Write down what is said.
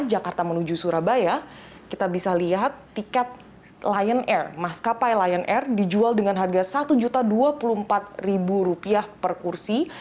jakarta menuju surabaya kita bisa lihat tiket lion air maskapai lion air dijual dengan harga rp satu dua puluh empat per kursi